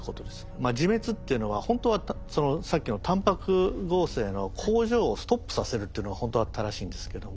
まあ自滅っていうのはほんとはさっきのタンパク合成の工場をストップさせるっていうのがほんとは正しいんですけども。